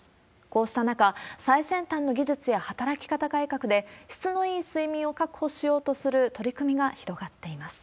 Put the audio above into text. こうした中、最先端の技術や働き方改革で、質のいい睡眠を確保しようとする取り組みが広がっています。